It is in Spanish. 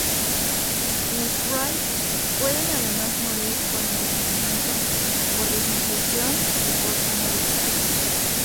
Los wraith pueden además morir por envenenamiento, por desnutrición y por anoxia.